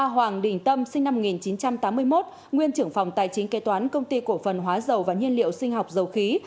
hoàng đình tâm sinh năm một nghìn chín trăm tám mươi một nguyên trưởng phòng tài chính kế toán công ty cổ phần hóa dầu và nhiên liệu sinh học dầu khí